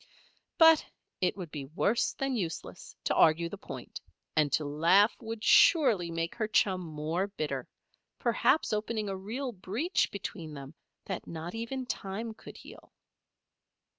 But it would be worse than useless to argue the point, and to laugh would surely make her chum more bitter perhaps open a real breach between them that not even time could heal.